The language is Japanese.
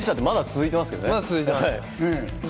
まだ続いてますけどね。